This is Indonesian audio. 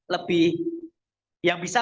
lebih yang bisa